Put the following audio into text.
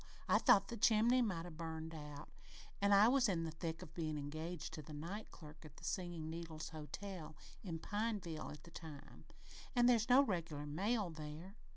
I thought the chimney might 'a' burned out an' I was in the thick of bein' engaged to the night clerk at the Singin' Needles Hotel at Pineville at the time an' there's no regular mail there.